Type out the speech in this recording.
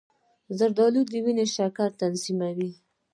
زردآلو د وینې شکر تنظیموي.